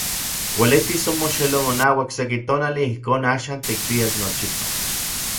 Uelitis omoxeloj monauak seki tonali ijkon axan tikpias nochipa.